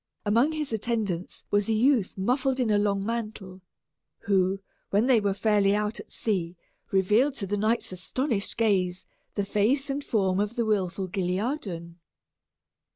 Among his attendants was a youth muffled in a long mantle, who, when they were fairly out at sea, revealed to the knight's astonished gaze the face and form of the wilful Guilliadun.